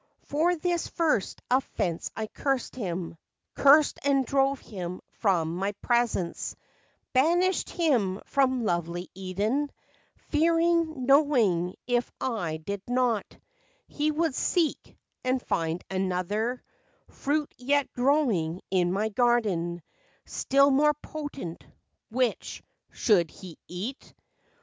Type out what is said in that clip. " For this first offense I cursed him, Cursed, and drove him from my presence; Banished him from lovely Eden, Fearing, knowing, if I did not, He would seek, and find another Fruit, yet growing in my garden, Still more potent; which, should he eat, 9 8 FACTS AND FANCIES.